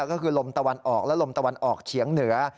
ก็คือลมตะวันออกและลมตะวันออกเฉียงเหนือ